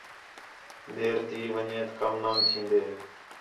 دِیر تھی ونڄیت کم نان تھین٘دے